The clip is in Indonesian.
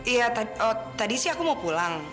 iya tadi sih aku mau pulang